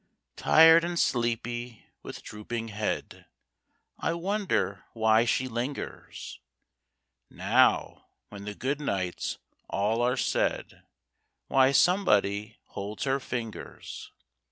Tired and sleepy, with drooping head, I wonder why she lingers; Now, when the good nights all are said, Why somebody holds her fingers.